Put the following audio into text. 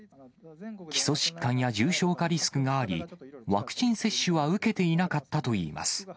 基礎疾患や重症化リスクがあり、ワクチン接種は受けていなかったといいます。